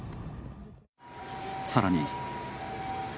さらに。